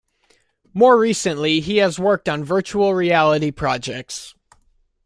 More recently he has worked on virtual reality projects.